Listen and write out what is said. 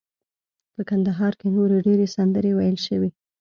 په کندهار کې نورې ډیرې سندرې ویل شوي.